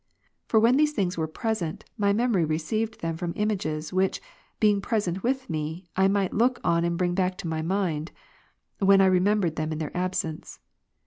For when these things were present, my memory received from them images, which, being present with me, I might look on and bring back in my mind, when I remembered them in their absence.